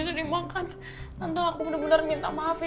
aku gak tau kamu ada apa gak